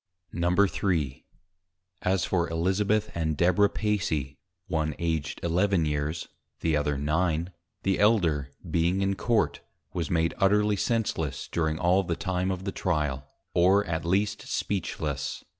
] III. As for Elizabeth and Deborah Pacy, one Aged Eleven Years, the other Nine; the elder, being in Court, was made utterly senseless, during all the time of the Trial: or at least speechless.